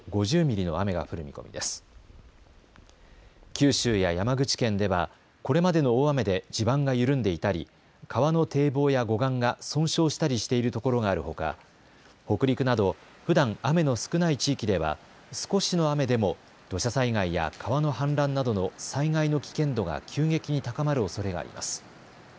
九州や山口県ではこれまでの大雨で地盤が緩んでいたり、川の堤防や護岸が損傷したりしているところがあるほか、北陸などふだん雨の少ない地域では少しの雨でも土砂災害や川の氾濫などの災害の危険度が急激に高まるおそれがあります。